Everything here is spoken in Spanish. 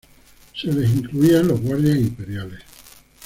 Se les incluía en los guardias imperiales.